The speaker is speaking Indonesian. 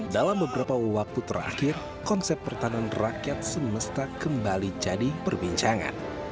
dalam beberapa waktu terakhir konsep pertahanan rakyat semesta kembali jadi perbincangan